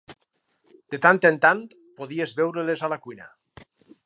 De tant en tant, podies veure-les a la cuina.